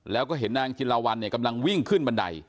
แล้วก็เห็นนางจิลาวัลเนี่ยกำลังวิ่งขึ้นบันได